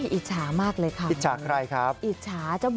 อิจฉามากเลยครับ